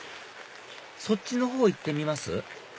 そっちのほう行ってみます？